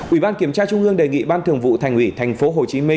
ủy ban kiểm tra trung ương đề nghị ban thường vụ thành ủy tp hcm